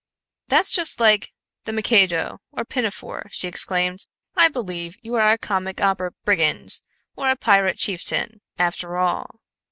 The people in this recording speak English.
"That's just like 'The Mikado' or 'Pinafore,'" she exclaimed. "I believe you are a comic opera brigand or a pirate chieftain, after all."